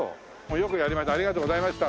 よくやりました。